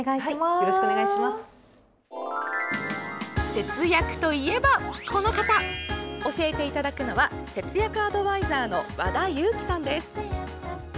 節約といえば、この方。教えていただくのは節約アドバイザーの和田由貴さんです。